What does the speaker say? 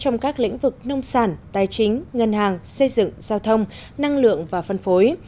trong các lĩnh vực nông sản tài chính ngân hàng xây dựng giao thông năng lượng và phân phối